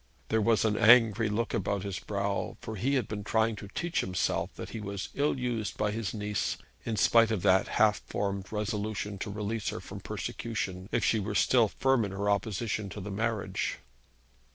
There was an angry look about his brow, for he had been trying to teach himself that he was ill used by his niece, in spite of that half formed resolution to release her from persecution if she were still firm in her opposition to the marriage.